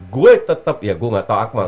saya tetap ya saya tidak tahu